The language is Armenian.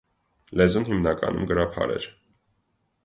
Լեզուն հիմնականում գրաբար էր։